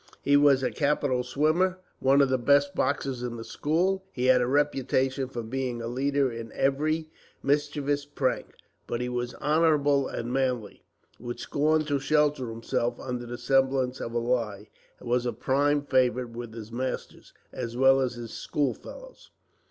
He was a capital swimmer, and one of the best boxers in the school. He had a reputation for being a leader in every mischievous prank; but he was honorable and manly, would scorn to shelter himself under the semblance of a lie, and was a prime favourite with his masters, as well as his schoolfellows.